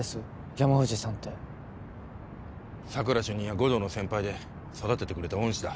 山藤さんって佐久良主任や護道の先輩で育ててくれた恩師だ